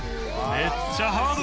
めっちゃハード！